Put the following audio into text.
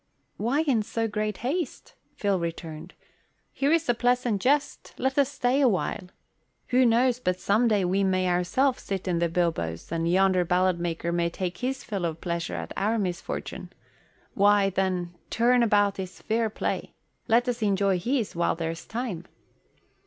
"Why in so great haste?" Phil returned. "Here is a pleasant jest. Let us stay a while. Who knows but some day we may ourselves sit in the bilboes and yonder ballad maker may take his fill of pleasure at our misfortune. Why, then, turn about is fair play. Let us enjoy his while there's time."